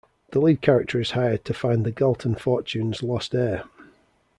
The lead character is hired find the Galton fortune's lost heir.